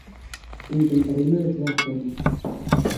Intentareino de todas formas.